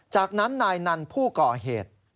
จากนั้นนายนันผู้ก่อเหตุ